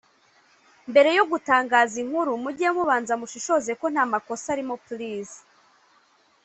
Mbere yo gutangaza inkuru mujye mubanza mushishoze ko nta makosa arimo plz